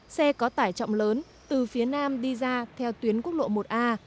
xe có tải trọng lớn từ phía nam đi ra theo tuyến quốc lộ một a